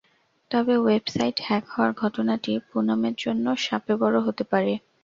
তবে website hack হওয়ার ঘটনাটি পুনমের জন্য শাপে বরও হতে পারে।